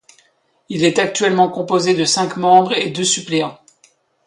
Il est actuellement composé de cinq membres et deux suppléants.